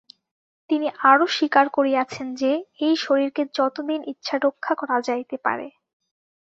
তিনি আরও স্বীকার করিয়াছেন যে, এই শরীরকে যতদিন ইচ্ছা রক্ষা করা যাইতে পারে।